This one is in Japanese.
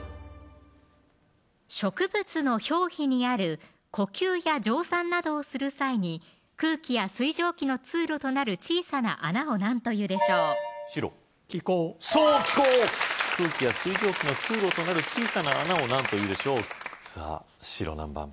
植物の表皮にある呼吸や蒸散などをする際に空気や水蒸気の通路となる小さな穴を何というでしょう白気孔そう気孔空気や水蒸気の通路となる小さな穴を何というでしょうさぁ白何番？